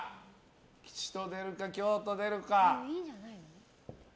吉と出るか凶と出るか。